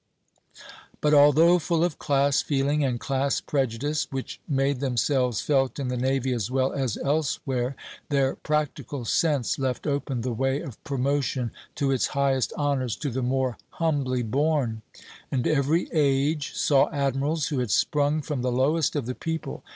But although full of class feeling and class prejudice, which made themselves felt in the navy as well as elsewhere, their practical sense left open the way of promotion to its highest honors to the more humbly born; and every age saw admirals who had sprung from the lowest of the people.